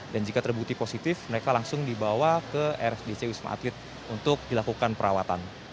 dan jika terbukti positif mereka langsung dibawa ke rsd cewisma atlet untuk dilakukan perawatan